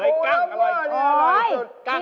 กั้งอร่อย